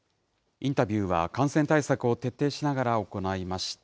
インタビューは、感染対策を徹底しながら行いました。